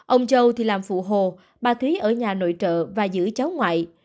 ông châu thì làm phụ hồ bà thúy ở nhà nội trợ và giữ cháu ngoại